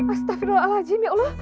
astagfirullahaladzim ya allah